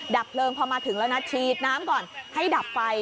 ดับเพลิงพอมาถึงแล้วนะฉีดน้ำก่อนให้ดับไฟ